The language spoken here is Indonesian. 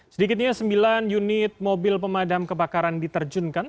sedikitnya sembilan unit mobil pemadam kebakaran diterjunkan